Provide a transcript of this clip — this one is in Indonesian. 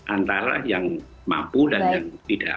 antara yang mampu dan yang tidak